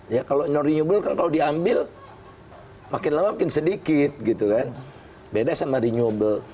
ya kalau non renewable kan kalau diambil makin lama makin sedikit gitu kan beda sama renewable